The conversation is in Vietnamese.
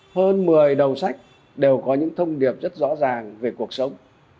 hơn một mươi đầu sách đều có những thông điệp rất rõ ràng về cuộc sống